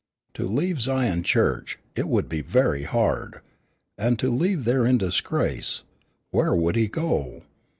To leave Zion Church. It would be very hard. And to leave there in disgrace; where would he go?